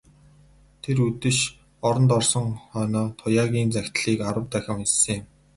Тэр үдэш оронд орсон хойноо Туяагийн захидлыг арав дахин уншсан юм.